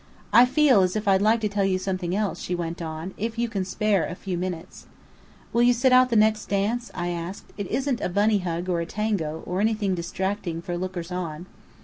"I feel as if I'd like to tell you something else," she went on, "if you can spare a few minutes." "Will you sit out the next dance?" I asked. "It isn't a Bunny Hug or Tango, or anything distracting for lookers on."